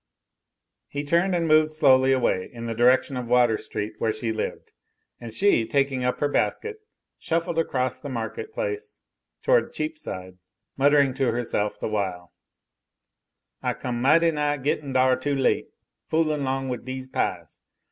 He turned and moved slowly away in the direction of Water Street, where she lived; and she, taking up her basket, shuffled across the market place toward Cheapside, muttering to herself the while: "I come mighty nigh gittin' dar too late, foolin' long wid dese pies.